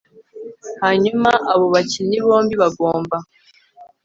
hanyuma abo bakinnyi bombi bagomba